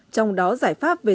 trong đó giải pháp về